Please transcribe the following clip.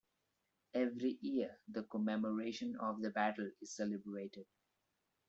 Every year, the commemoration of the battle is celebrated.